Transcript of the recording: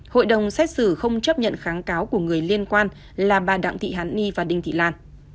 hội đồng xét xử không chấp nhận kháng cáo của người liên quan là bà đặng thị hàn ni và đinh thị lan